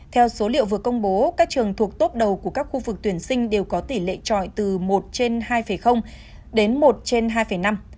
theo số liệu vừa công bố các trường thuộc tốp đầu của các khu vực tuyển sinh đều có tỷ lệ trọi từ một trên hai đến một trên hai năm